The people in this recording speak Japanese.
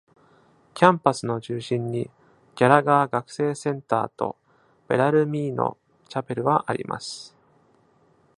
キャンパスの中心に、ギャラガー学生センターとベラルミーノ・チャペルはあります。